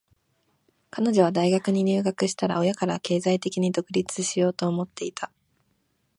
彼女は大学に入学したら、親から経済的に独立しようと思っていた。